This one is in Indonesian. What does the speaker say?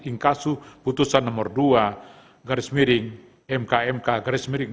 ingkasuh putusan nomor dua garis miring mkmk garis miring l dua ribu dua puluh tiga